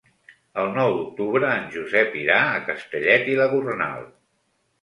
El nou d'octubre en Josep irà a Castellet i la Gornal.